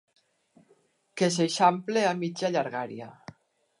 Que s'eixampla a mitja llargària.